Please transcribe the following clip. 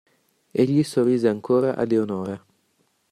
Egli sorrise ancora a Leonora.